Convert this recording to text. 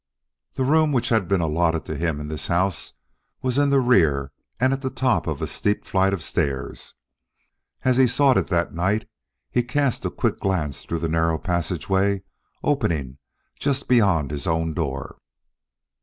The room which had been allotted to him in this house was in the rear and at the top of a steep flight of stairs. As he sought it that night, he cast a quick glance through the narrow passageway opening just beyond his own door.